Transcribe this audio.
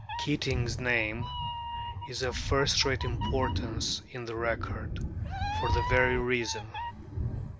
Keating's name is of first rate importance in its record, for this very reason.